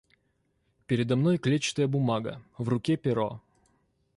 Передо мной клетчатая бумага, в руке перо.